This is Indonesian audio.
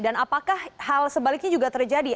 dan apakah hal sebaliknya juga terjadi